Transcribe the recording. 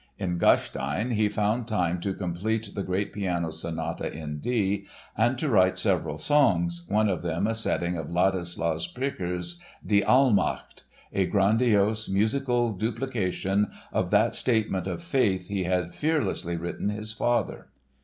In Gastein he found time to complete the great piano sonata in D and to write several songs, one of them a setting of Ladislaus Pyrker's Die Allmacht—a grandiose musical duplication of that statement of faith he had fearlessly written his father.